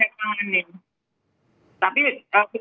tetapi ada yang menandatangani